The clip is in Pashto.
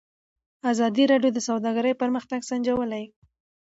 ازادي راډیو د سوداګري پرمختګ سنجولی.